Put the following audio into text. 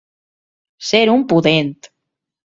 Ser un pudent.